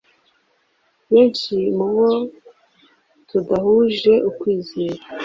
benshi mu bo tudahuje ukwizera